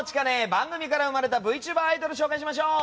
番組から生まれたＶＴｕｂｅｒアイドルを紹介しましょう！